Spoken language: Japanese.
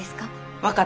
分かった。